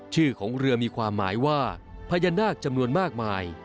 ชื่อของเรือมีความหมายว่าพญานาคจำนวนมากมาย